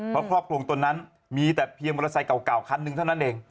เพราะครอบครองตนนั้นมีแต่เพียงบริษัทเก่าคันหนึ่งเท่านั้นเอง